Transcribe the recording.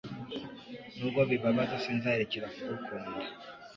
Nubwo bibabaza sinzarekera kugukunda